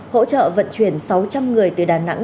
hỗ trợ vận chuyển sáu trăm linh người từ đà nẵng